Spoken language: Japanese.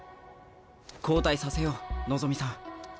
交代させよう望さん。